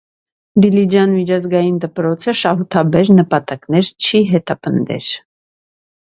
«Դիլիջան միջազգային դպրոց»ը շահութաբեր նպատակներ չի հետապնդեր։